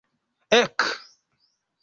Ek!